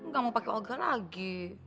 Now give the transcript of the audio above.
gak mau pakai olga lagi